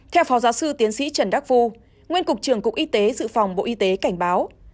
theo phó giáo sư tiến sĩ trần đắc phu nguyên cục trưởng cục y tế dự phòng bộ y tế cảnh báo